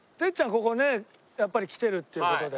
ここねやっぱり来てるっていう事で。